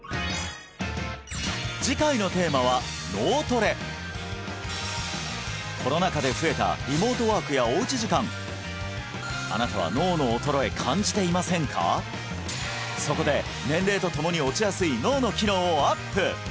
次回のテーマは「脳トレ」コロナ禍で増えたリモートワークやおうち時間あなたはそこで年齢とともに落ちやすい脳の機能をアップ！